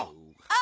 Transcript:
あ。